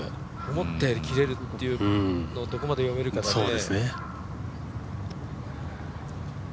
思ったより切れるっていうのをどこまで読めるかだよね。